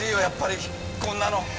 やっぱりこんなの。